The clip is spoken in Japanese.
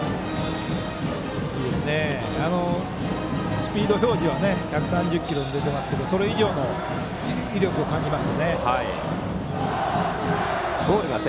スピード表示は１３０キロと出ていますがそれ以上の威力を感じます。